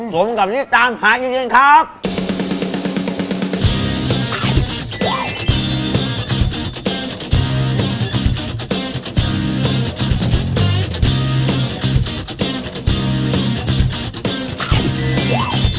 สมกับนิตย์ตามหาอย่างเดียวกันครับ